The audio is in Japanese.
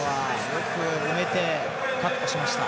よく埋めて、カットしました。